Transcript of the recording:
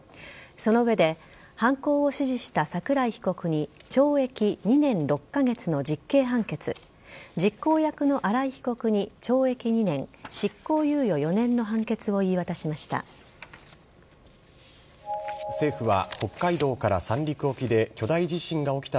そのうえで、犯行を指示した桜井被告に懲役２年６か月の実刑判決、実行役の新井被告に懲役２年、執行猶予４年の判決を言い渡しました。